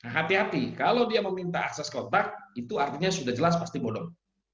hati hati kalau dia meminta akses kontak itu artinya sudah jelas pasti bodong